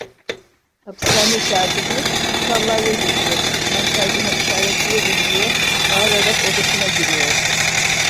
Hapishane katibi: "Musallaya götürün, ben kaydına işaret veririm!" diye bağırarak odasına giriyordu.